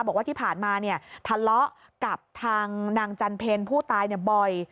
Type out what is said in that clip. บอกว่าที่ผ่านมาทะเลาะกับทางนางจันเพลผู้ตายบ่อย